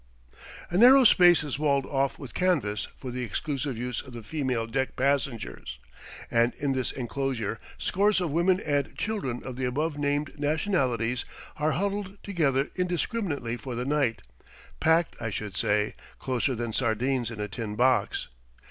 A narrow space is walled off with canvas for the exclusive use of the female deck passengers, and in this enclosure scores of women and children of the above named nationalities are huddled together indiscriminately for the night, packed, I should say, closer than sardines in a tin box.